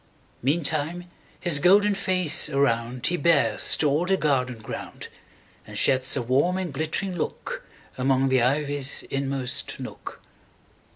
Meantime his golden face aroundHe bears to all the garden ground, And sheds a warm and glittering lookAmong the ivy's inmost nook.